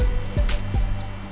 bagaimana menurut anda